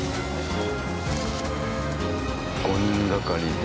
５人がかりで。